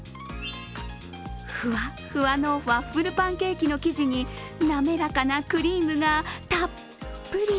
ふわふわのワッフルパンケーキの生地に滑らかなクリームがたっぷり。